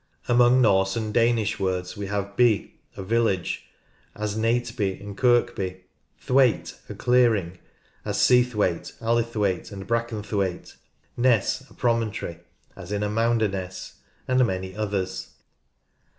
Among Norse and Danish words we have " by " (a village), as Nateby and Kirkby; "t/nvaite" (a clearing), as Seathwaite, Allithwaite and Brackenthwaite; "ness" (a promontory), as Amounderness; and many others.